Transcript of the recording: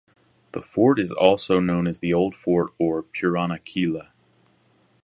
The fort is also known as the Old Fort or "Purana Quila".